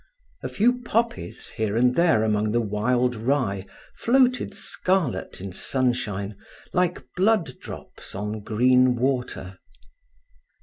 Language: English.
A few poppies here and there among the wild rye floated scarlet in sunshine like blood drops on green water.